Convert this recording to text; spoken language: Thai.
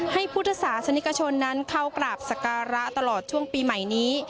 ให้พุทธศาสนิกชนนั้นเข้ากราบสการะตลอดช่วงปีใหม่นี้